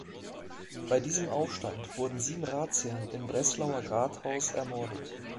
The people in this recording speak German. Bei diesem Aufstand wurden sieben Ratsherren im Breslauer Rathaus ermordet.